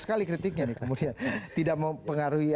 sekali kritiknya nih kemudian